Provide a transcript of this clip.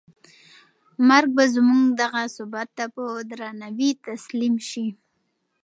مرګ به زموږ دغه ثبات ته په درناوي تسلیم شي.